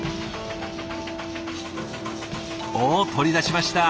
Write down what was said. お取り出しました。